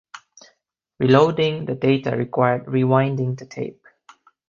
Re-loading the data required re-winding the tape.